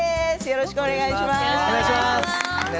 よろしくお願いします。